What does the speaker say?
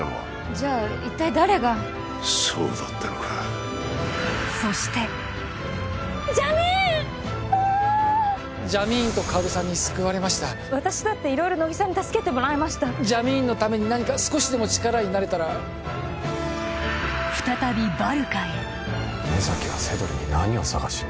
じゃあ一体誰がそうだったのかジャミーン！ジャミーンと薫さんに救われました私だって色々乃木さんに助けてもらいましたジャミーンのために何か少しでも力になれたら野崎はセドルに何を探しに？